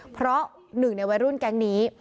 เพราะ๑ในวัยรุ่นแกงนี้